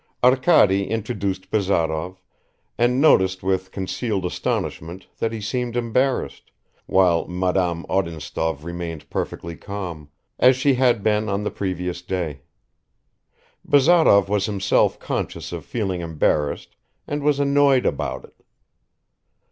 Arkady introduced Bazarov, and noticed with concealed astonishment that he seemed embarrassed, while Madame Odintsov remained perfectly calm, as she had been on the previous day. Bazarov was himself conscious of feeling embarrassed and was annoyed about it.